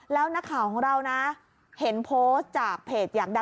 แล้วนักข่าวของเรานะเห็นโพสต์จากเพจอยากดัง